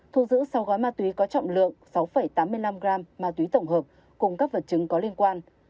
thu giữ sáu gói ma túy có trọng lượng sáu tám mươi năm gram ma túy tổng hợp cùng các vật chứng có liên quan